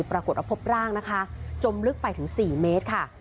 ปรากฏว่าพบร่างนะคะจมลึกไปถึง๔เมตรค่ะ